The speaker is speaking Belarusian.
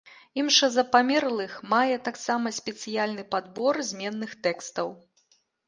Імша за памерлых мае таксама спецыяльны падбор зменных тэкстаў.